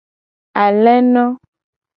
Aleno.